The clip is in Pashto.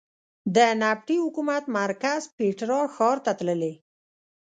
د نبطي حکومت مرکز پېټرا ښار ته تللې.